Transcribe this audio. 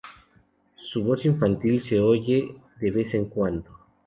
Su voz infantil se oye de vez en cuando.